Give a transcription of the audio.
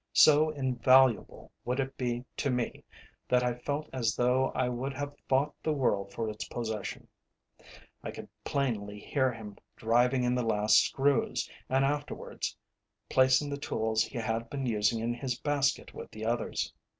So invaluable would it be to me, that I felt as though I would have fought the world for its possession. I could plainly hear him driving in the last screws, and afterwards placing the tools he had been using in his basket with the others.